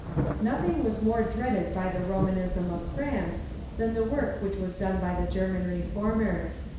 Nothing was more dreaded by the Romanism of France than the work which Avas done by the German Reformers.